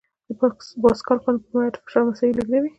د پاسکال قانون په مایعاتو کې فشار مساوي لېږدوي.